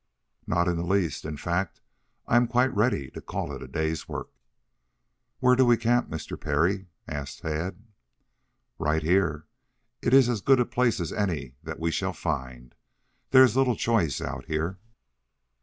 "Not in the least. In fact, I am quite ready to call it a day's work." "Where do we camp, Mr. Parry?" asked Tad. "Right here. It is as good a place as any that we shall find. There is little choice out here."